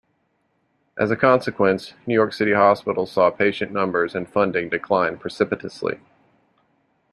As a consequence, New York City hospitals saw patient numbers and funding decline precipitously.